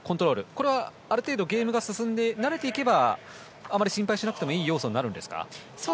これはある程度ゲームが進んで慣れていけばあまり心配しなくてもいい要素になるんですか？